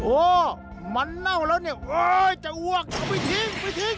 โอ้มันเน่าแล้วเนี่ยโอ๊ยจะอ้วกเอาไปทิ้งไปทิ้ง